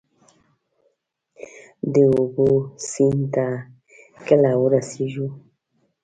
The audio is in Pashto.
د اوبو، سیند ته کله ورسیږو؟